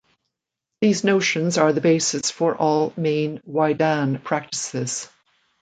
These notions are the basis for all main "waidan" practices.